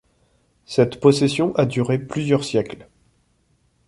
Cette possession a duré plusieurs siècles.